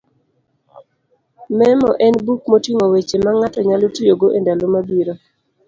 Memo en buk moting'o weche mang'ato nyalo tiyogo e ndalo mabiro.